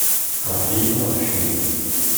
Teqreḥ-iyi taɣect-iw.